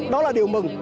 đó là điều mừng